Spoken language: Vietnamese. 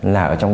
là ở trong